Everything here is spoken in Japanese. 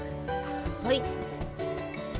はい。